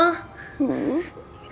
ibu guru benci sama aku